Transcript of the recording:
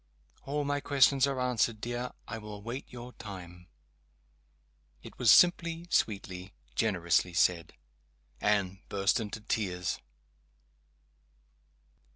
"All my questions are answered, dear. I will wait your time." It was simply, sweetly, generously said. Anne burst into tears.